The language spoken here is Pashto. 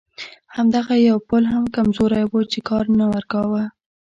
همدغه یو پل هم کمزوری و چې کار نه ورکاوه.